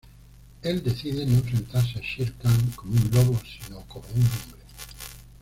Él decide no enfrentarse a Shere Khan como un lobo, sino como un hombre.